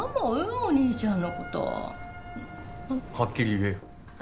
お兄ちゃんのことあっはっきり言えよ